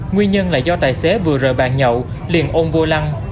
nguyên nhân là do tài xế vừa rời bàn nhậu liền ôn vô lăng